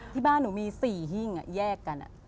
ที่บ้านหนูมี๔หิ้งแยกกัน